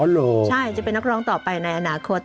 ใช่จะเป็นนักร้องต่อไปในอนาคต